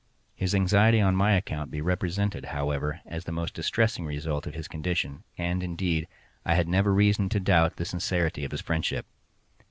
His anxiety on my account he represented, however, as the most distressing result of his condition; and, indeed, I had never reason to doubt the sincerity of his friendship.